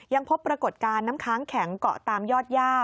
ยังพบปรากฏการณ์น้ำค้างแข็งเกาะตามยอดย่า